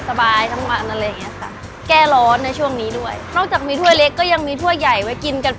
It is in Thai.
สบายทั้งมอเมืองค่ะ